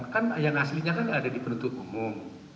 kan yang aslinya kan ada di penuntut umum